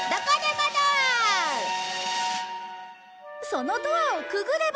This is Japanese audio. そのドアをくぐれば。